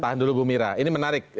tahan dulu bu mira ini menarik